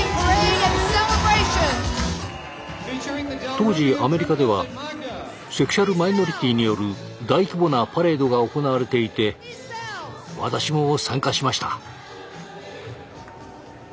当時アメリカではセクシュアルマイノリティによる大規模なパレードが行われていて私も参加しました。